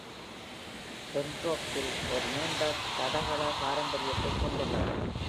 பெம்பிரோக் Hill ஒரு நீண்ட தடகள பாரம்பரியத்தைக் கொண்டுள்ளது.